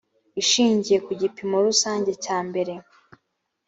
ishingiye ku gipimo rusange cya mbere